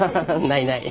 ないない。